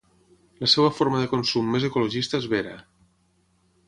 La seva forma de consum més ecologista és vera.